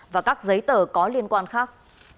và các giấy tờ có liên quan khác